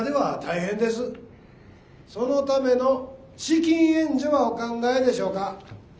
そのための資金援助はお考えでしょうか？